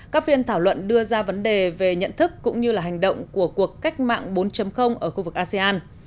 các phiên thảo luận đưa ra vấn đề về nhận thức cũng như là hành động của cuộc cách mạng bốn ở khu vực asean